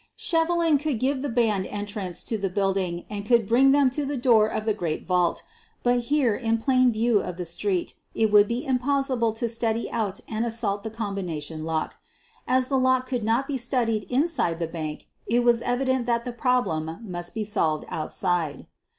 Shevelin could give the band entrance to the build ing and could bring them to the door of the great vault. But here, in plain view of the street, it would be impossible to study out and assault the combina tion lock. As the lock could not be studied inside the bank it was evident that the problem must be solved outside.